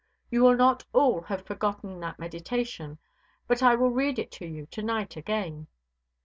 You will not all have forgotten that meditation, but I will read it to you to night again.